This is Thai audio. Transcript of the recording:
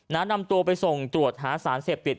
นำตัวไปส่งตรวจหาสารเสพติด